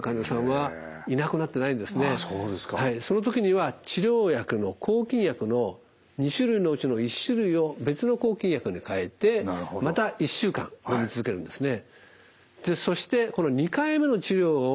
その時には治療薬の抗菌薬の２種類のうちの１種類を別の抗菌薬に替えてまた１週間のみ続けるんですね。